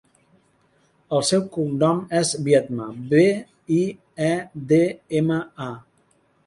El seu cognom és Biedma: be, i, e, de, ema, a.